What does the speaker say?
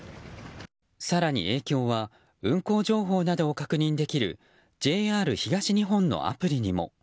更に影響は運行情報などを確認できるＪＲ東日本のアプリにも。